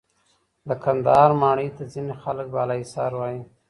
د کندهار ماڼۍ ته ځینې خلک بالاحصار وایې.